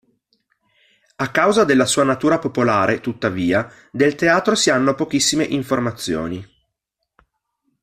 A causa della sua natura popolare, tuttavia, del teatro si hanno pochissime informazioni.